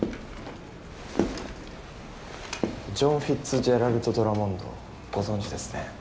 ジョン・フィッツジェラルド・ドラモンドご存じですね？